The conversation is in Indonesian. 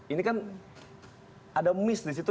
ini kan ada miss di situ